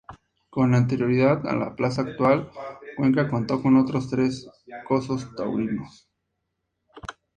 Con anterioridad a la plaza actual, Cuenca contó con otros tres cosos taurinos.